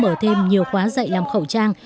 cũng đã mở thêm nhiều khóa dạy làm khẩu trang